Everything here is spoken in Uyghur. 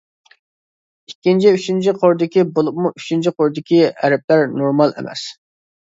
ئىككىنچى ئۈچىنچى قۇردىكى بولۇپمۇ ئۈچىنچى قۇردىكى ھەرپلەر نورمال ئەمەس.